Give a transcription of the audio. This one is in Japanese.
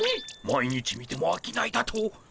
毎日見てもあきないだと！